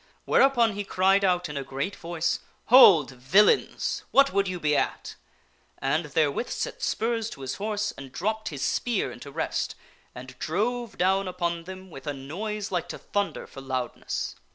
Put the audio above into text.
Whereupon he cried out in a great voice, "Hold, villains! What would you be at !" and 'therewith set spurs to his hors< and dropped his spear into rest and drove down upon them with a noi like to thunder for loudness.